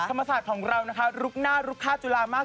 คำมาสตรของเราน่ะรุกน่ารุกฆ่าจุฬามาสตร